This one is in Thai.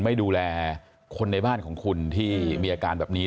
ไม่ดูแลคนในบ้านของคุณที่มีอาการแบบนี้